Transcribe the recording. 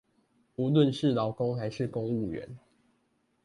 無論是勞工還是公務員